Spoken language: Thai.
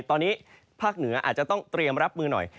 ตอนนี้ภาคเหนืออาจจะต้องเตรียมรับมือหน่อย